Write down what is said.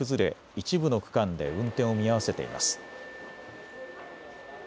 一部の区間で運転を見合わせています。